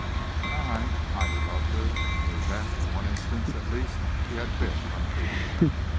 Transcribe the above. And I, I who loved her, knew that, in one instance, at least, she had been untruthful.